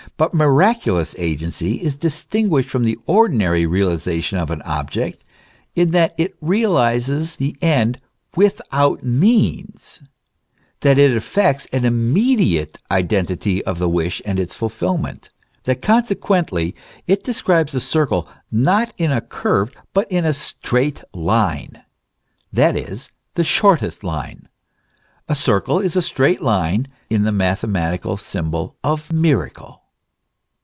But miraculous agency is distinguished from the ordinary realization of an object, in that it realizes the end without means, that it effects an immediate identity of the wish and its fulfilment ; that consequently it describes a circle, not in a curved, but in a straight line, that is, the shortest line. A circle in a straight line is the mathematical symbol of miracle.